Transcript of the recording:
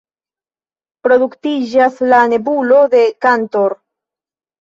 Produktiĝas la “nebulo de "Cantor"”.